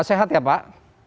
sehat ya pak